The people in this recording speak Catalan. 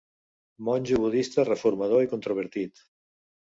Monjo budista reformador i controvertit.